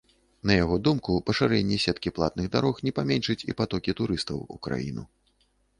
На яго думку, пашырэнне сеткі платных дарогі не паменшыць і патокі турыстаў у краіну.